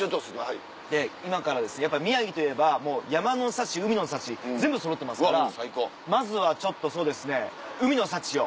で今からやっぱ宮城といえばもう山の幸海の幸全部そろってますからまずはちょっとそうですね海の幸を。